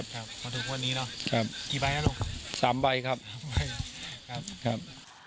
ถึงวันนี้เนอะสามใบครับครับครับ